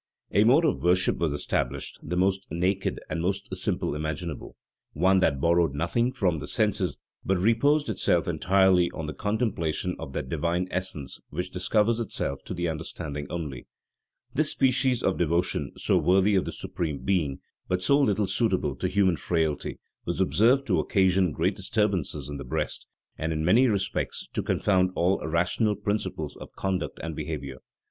A mode of worship was established, the most naked and most simple imaginable; one that borrowed nothing from the senses, but reposed itself entirely on the contemplation of that divine essence which discovers itself to the understanding only. This species of devotion, so worthy of the Supreme Being, but so little suitable to human frailty, was observed to occasion great disturbances in the breast, and in many respects to confound all rational principles of conduct and behavior.